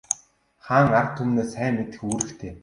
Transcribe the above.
Хаан ард түмнээ сайн мэдэх үүрэгтэй.